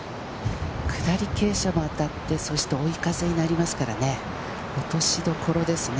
下り傾斜も当たって、追い風になりますからね、落としどころですね。